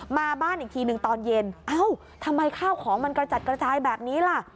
มาบ้านอีกทีหนึ่งตอนเย็นเอ้าทำไมข้าวของมันกระจัดกระจายแบบนี้ล่ะ